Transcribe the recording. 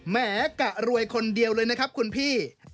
แหมกะรวยคนเดียวเลยนะครับคุณพี่